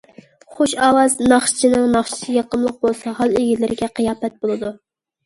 خۇش ئاۋاز ناخشىچىنىڭ ناخشىسى يېقىملىق بولسا ھال ئىگىلىرىگە قىياپەت بولىدۇ.